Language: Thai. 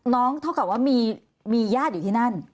เท่ากับว่ามีญาติอยู่ที่นั่น